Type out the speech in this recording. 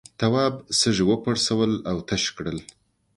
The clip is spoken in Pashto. تواب سږي وپرسول او تش کړل.